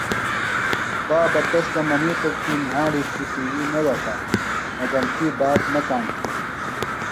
بابہ تس تھےۡ منیتوۡ کی نِھیاڑی تھی ٹی وی نہ دڇھہ مگم تی بات نہ کاݨ تِھیلی۔